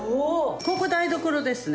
・ここ台所ですね